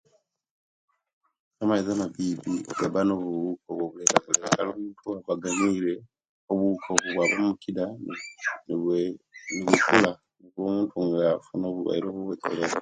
Amaizi amabibi gaba nobuwuka nadala nga oganywire obuwuka obwo bwaba mukida nibwee nebukula omuntu nga afuna obulwaire